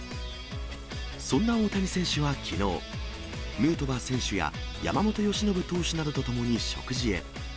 そんな大谷選手はきのう、ヌートバー選手や山本由伸投手などと共に食事へ。